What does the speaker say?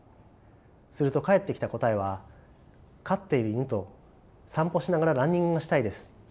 すると返ってきた答えは「飼っている犬と散歩しながらランニングがしたいです」というものでした。